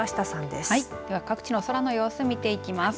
では各地の空の様子、見ていきます。